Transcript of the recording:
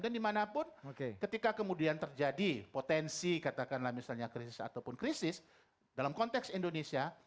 dan dimanapun ketika kemudian terjadi potensi katakanlah misalnya krisis ataupun krisis dalam konteks indonesia